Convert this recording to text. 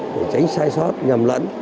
để tránh sai sót nhầm lẫn